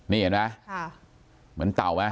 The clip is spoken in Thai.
นี่เห็นมั๊ยมันเต่าไหม